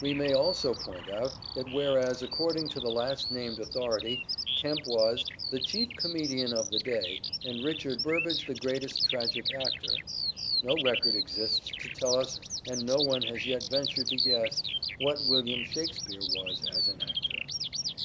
We may also point out that whereas according to the last named authority Kemp was " the chief comedian of the day and Richard Burbage the greatest tragic actor," no record exists to tell us and no one has yet ventured to guess what William Shakspere was as an actor.